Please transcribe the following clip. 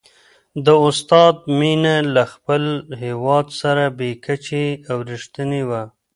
د استاد مینه له خپل هېواد سره بې کچې او رښتینې وه.